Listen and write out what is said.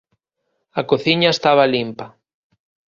A cociña estaba limpa.